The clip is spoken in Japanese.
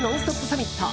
サミット